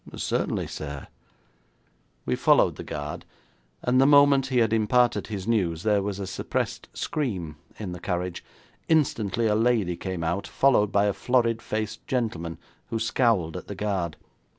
'Certainly, sir.' We followed the guard, and the moment he had imparted his news there was a suppressed scream in the carriage. Instantly a lady came out, followed by a florid faced gentleman, who scowled at the guard.